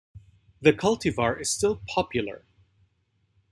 The cultivar is still popular.